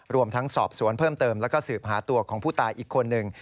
รวมทั้งสอบสวนเพิ่มเติมแล้วก็สืบหาตัวของผู้ตายอีกคนหนึ่ง